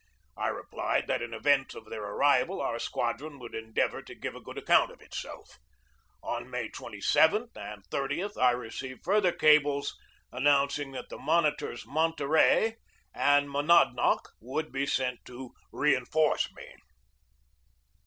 I replied that in event of their arrival our squadron would endeavor to give a good account of itself. On May 27 and 30 I received further cables announcing that the monitors Monterey and Monad nock would be sent to reinforce me.